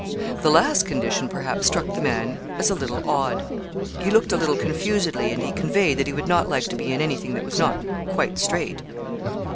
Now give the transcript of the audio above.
The last condition, perhaps, struck the man as a little odd; he looked a little confusedly, and he conveyed that he would not like to be in anything that was not quite straight.